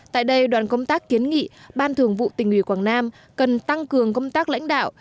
tại đây đoàn công tác kiến nghị ban thường vụ tỉnh ủy quảng nam cần tăng cường công tác lãnh đạo